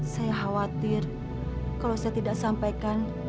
saya khawatir kalau saya tidak sampaikan